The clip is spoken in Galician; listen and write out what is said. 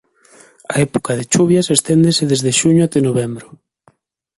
A época de choivas esténdese desde xuño até novembro.